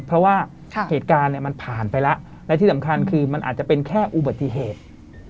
เพราะว่าเหตุการณ์มันผ่านไปแล้วและที่สำคัญคือมันอาจจะเป็นแค่อุบัติเหตุ